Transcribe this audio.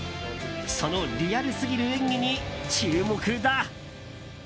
そのリアルすぎる演技に注目だ。